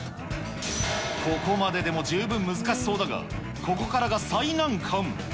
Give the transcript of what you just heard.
ここまででも十分難しそうだが、ここからが最難関。